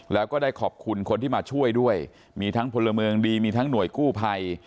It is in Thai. แล้วก็ได้ขอบคุณคนที่มาช่วยด้วยมีทั้งพลเมืองดีมีทั้งหน่วยกู้ภัย